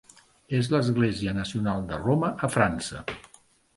És l'església nacional de Roma a França.